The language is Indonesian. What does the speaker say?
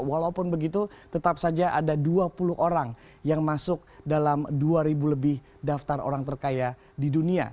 walaupun begitu tetap saja ada dua puluh orang yang masuk dalam dua ribu lebih daftar orang terkaya di dunia